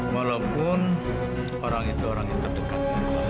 walaupun orang itu orang yang terdekat